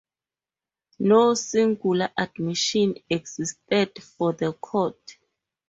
No singular admission existed for the court.